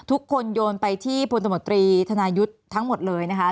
โยนไปที่พลตมตรีธนายุทธ์ทั้งหมดเลยนะคะ